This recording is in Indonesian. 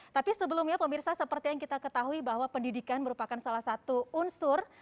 tapi sebelumnya pemirsa seperti yang kita ketahui bahwa pendidikan merupakan salah satu unsur